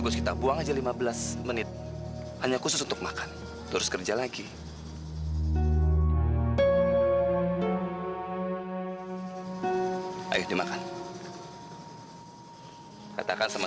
sampai jumpa di video selanjutnya